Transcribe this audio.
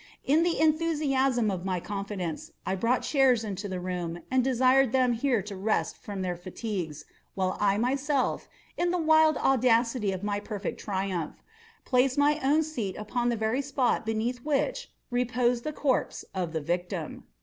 In the enthusiasm of my confidence, I brought chairs into the room, and desired them here to rest from their fatigues, while I myself, in the wild audacity of my perfect triumph, placed my own seat upon the very spot beneath which reposed the corpse of the victim.